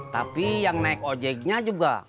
tapi yang naik ojeknya juga